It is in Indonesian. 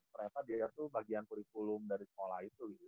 ternyata dia itu bagian kurikulum dari sekolah itu gitu